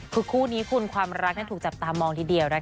คือคู่นี้คุณความรักถูกจับตามองทีเดียวนะคะ